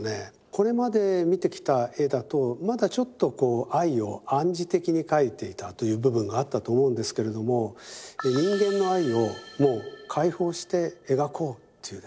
これまで見てきた絵だとまだちょっと愛を暗示的に描いていたという部分があったと思うんですけれども人間の愛をもう解放して描こうというですね